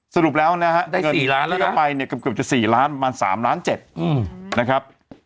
สรุปแล้วเงินที่ออกไปกับเกือบจะ๔ล้านบาทประมาณ๓ล้าน๗บาท